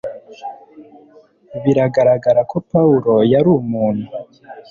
biragaragara ko pawulo yari umuntu